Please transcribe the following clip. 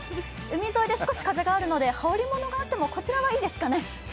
海沿いで少し風があるので、羽織り物があってもこちらはいいですね。